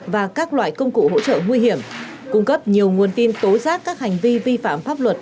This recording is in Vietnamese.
và các loại công cụ hỗ trợ nguy hiểm cung cấp nhiều nguồn tin tố giác các hành vi vi phạm pháp luật